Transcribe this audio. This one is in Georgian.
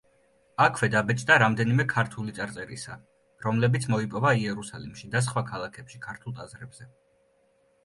აქვე დაბეჭდა რამდენიმე ქართული წარწერისა რომლებიც მოიპოვა იერუსალიმში და სხვა ქალაქებში ქართულ ტაძრებზე.